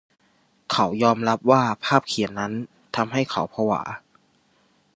เขายอมรับว่าภาพเขียนนั้นทำให้เขาผวา